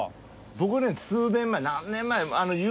僕はね数年前何年前。